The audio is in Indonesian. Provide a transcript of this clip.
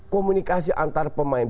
komunikasi antar pemain